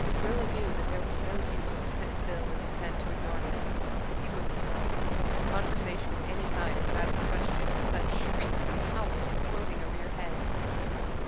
Rilla knew that there was no use to sit still and pretend to ignore him. He wouldn't stop; and conversation of any kind was out of the question when such shrieks and howls were floating over your head.